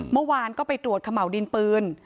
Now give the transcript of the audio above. เมื่อวานก็ไปตรวจเขม่าวดินปืน